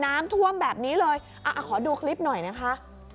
น้ำท่วมแบบนี้เลยอ่ะขอดูคลิปหน่อยนะคะ